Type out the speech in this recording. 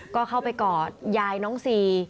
ก็เข้าไปกอดยายน้องซี